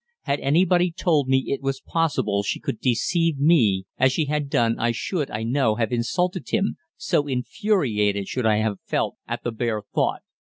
Had anybody told me it was possible she could deceive me as she had done I should, I know, have insulted him so infuriated should I have felt at the bare thought.